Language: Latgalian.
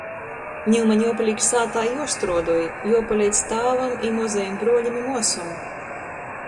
Niu maņ juopalīk sātā i juostruodoj, juopaleidz tāvam i mozajim bruolim i muosom.